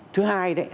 thứ hai đấy